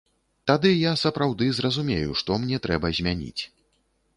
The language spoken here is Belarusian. Тады я сапраўды зразумею, што мне трэба змяніць.